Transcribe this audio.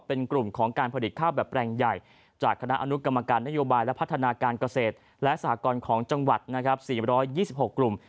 เป็นกลุ่มของการผลิตข้าวแบบแปลงใหญ่จากคณะอนุกรรมการนโยบายและพัฒนาการเกษตรและสหกรณ์ของจังหวัดนะครับ๔๒๖กลุ่ม